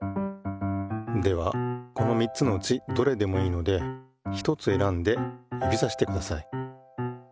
ではこの３つのうちどれでもいいのでひとつ選んで指さしてください。